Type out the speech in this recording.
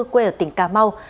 quê ở tỉnh cà mau